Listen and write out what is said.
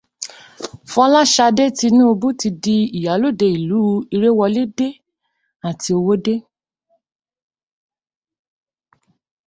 Fọláshadé Tinúbú ti di Ìyálóde ìlú Iréwọlédé àti Owódé